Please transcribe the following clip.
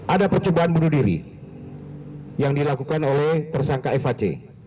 ada percobaan bunuh diri yang dilakukan oleh tersangka fac